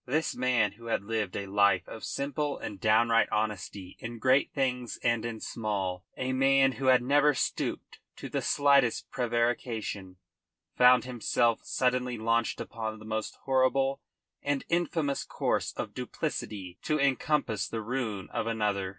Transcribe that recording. This man who had lived a life of simple and downright honesty in great things and in small, a man who had never stooped to the slightest prevarication, found himself suddenly launched upon the most horrible and infamous course of duplicity to encompass the ruin of another.